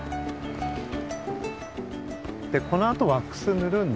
このあとワックスぬるんで。